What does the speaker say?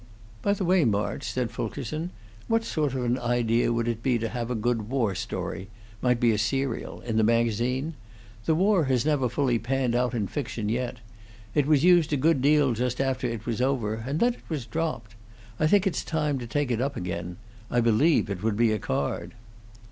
"By the way, March," said Fulkerson, "what sort of an idea would it be to have a good war story might be a serial in the magazine? The war has never fully panned out in fiction yet. It was used a good deal just after it was over, and then it was dropped. I think it's time to take it up again. I believe it would be a card."